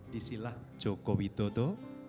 disilah joko widodo